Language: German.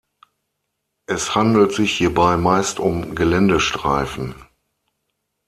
Es handelt sich hierbei meist um Geländestreifen.